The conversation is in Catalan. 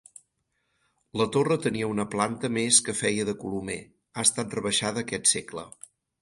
La torre tenia una planta més que feia de colomer, ha estat rebaixada aquest segle.